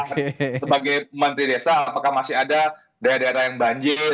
sebagai menteri desa apakah masih ada daerah daerah yang banjir